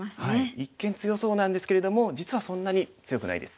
一見強そうなんですけれども実はそんなに強くないです。